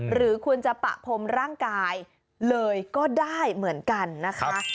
หรือคุณจะปะพรมร่างกายเลยก็ได้เหมือนกันนะคะ